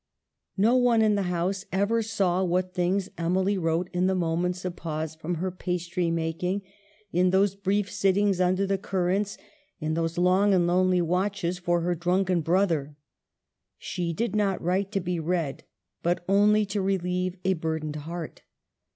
No one in the house ever saw what things Emily wrote in the moments of pause from her pastry making, in those brief sittings under the currants, in those long and lonely watches for her drunken brother. She did not write to be read, but only to relieve a burdened heart.